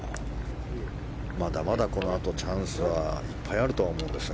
まだまだこのあとチャンスはいっぱいあると思いますが。